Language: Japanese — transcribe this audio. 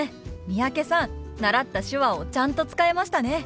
三宅さん習った手話をちゃんと使えましたね。